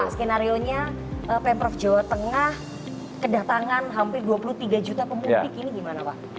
skenario nya pemprov jawa tengah kedatangan hampir dua puluh tiga juta pemudik ini gimana pak